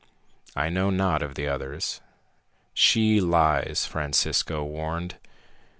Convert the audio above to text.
I know not of the others." "She lies," Francisco warned.